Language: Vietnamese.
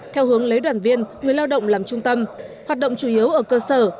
theo hướng lấy đoàn viên người lao động làm trung tâm hoạt động chủ yếu ở cơ sở